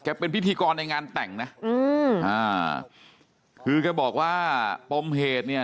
เป็นพิธีกรในงานแต่งนะอืมอ่าคือแกบอกว่าปมเหตุเนี่ย